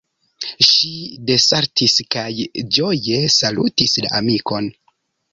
Ŝi desaltis kaj ĝoje salutis la amikon: